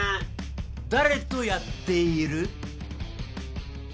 誰とやっている？